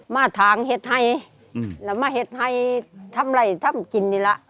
มาทางเฮ็ดไฮมาเฮ็ดไฮทำอะไรเฮ็ดทำกินไงละ